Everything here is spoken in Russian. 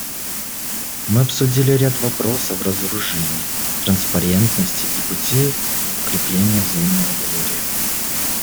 Мы обсудили ряд вопросов разоружения, транспарентности и путей укрепления взаимного доверия.